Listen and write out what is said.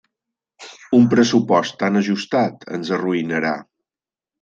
Un pressupost tan ajustat ens arruïnarà.